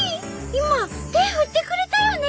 今手振ってくれたよね？